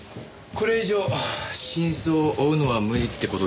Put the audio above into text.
これ以上真相を追うのは無理って事ですかね？